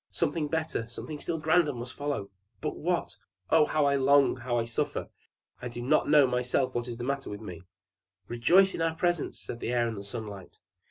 Something better, something still grander must follow but what? Oh, how I long, how I suffer! I do not know myself what is the matter with me!" "Rejoice in our presence!" said the Air and the Sunlight.